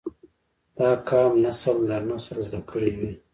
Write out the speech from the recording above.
دا قام نسل در نسل زده کړي وي